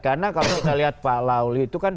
karena kalau kita lihat pak lawli itu kan